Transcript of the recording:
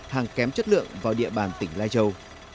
hàng kém chất lượng vào địa bàn tỉnh lai châu